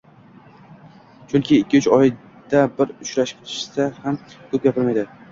Chunki ikki-uch oyda bir uchrashishsa ham ko`p gapirmaydi